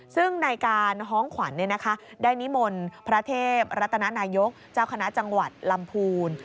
ซึ่งในการฮ้องขวัญได้นิมนต์พระเทพรัตนานายกเจ้าคณะจังหวัดลำพูน